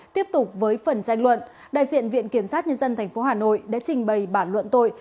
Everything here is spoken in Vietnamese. tiếp tục với phần tranh luận đại diện viện kiểm sát nhân dân tp hà nội đã trình bày bản luận tội